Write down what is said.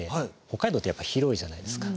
北海道ってやっぱり広いじゃないですか。